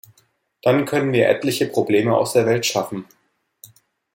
Dann können wir etliche Probleme aus der Welt schaffen.